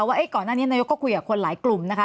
ว่าก่อนหน้านี้นายกก็คุยกับคนหลายกลุ่มนะคะ